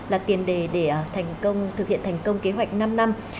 là tiền đề để thực hiện thành công kế hoạch năm năm